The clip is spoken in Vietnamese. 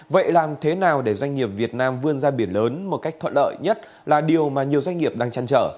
vậy làm thế nào để doanh nghiệp việt nam vươn ra biển lớn một cách thuận lợi nhất là điều mà nhiều doanh nghiệp đang chăn trở